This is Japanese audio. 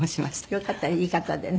よかったいい方でね。